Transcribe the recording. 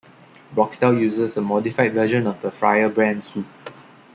Broxtel uses a modified version of the Firebrand suit.